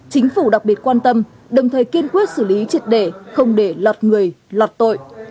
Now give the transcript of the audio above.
chính phủ đặc biệt quan tâm đồng thời kiên quyết xử lý triệt để không để lọt người lọt tội